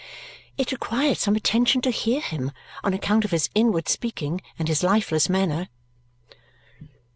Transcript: It required some attention to hear him on account of his inward speaking and his lifeless manner.